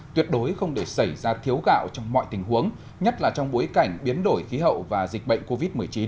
tuyệt đối không để xảy ra thiếu gạo trong mọi tình huống nhất là trong bối cảnh biến đổi khí hậu và dịch bệnh covid một mươi chín